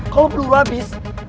kalau peluru habis